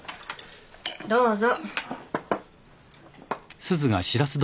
どうぞ。